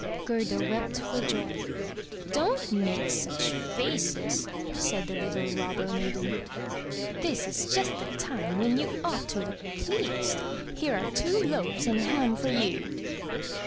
Gerda wept for joy. "Don*t make such faces!" said the little Robber maiden. "This is just the time when you ought to look pleased. Here are two loaves and a ham for you."